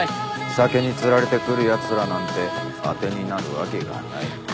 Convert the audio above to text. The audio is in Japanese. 酒に釣られて来るやつらなんて当てになるわけがない。